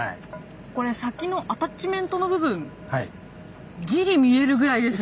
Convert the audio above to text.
これ先のアタッチメントの部分ぎり見えるぐらいですね。